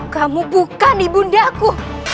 kamu bukan ibu nda aku